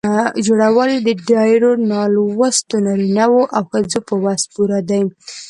جوړول یې د ډېرو نالوستو نارینه وو او ښځو په وس پوره دي.